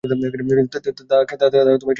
তা কিছু কি আর হয়েছে?